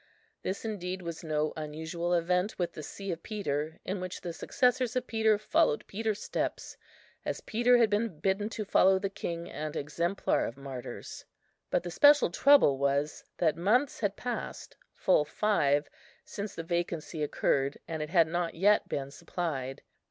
This indeed was no unusual event with the see of Peter, in which the successors of Peter followed Peter's steps, as Peter had been bidden to follow the King and Exemplar of Martyrs. But the special trouble was, that months had passed, full five, since the vacancy occurred, and it had not yet been supplied.